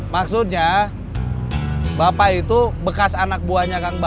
maksudnya bapak itu bekas anak buahnya kang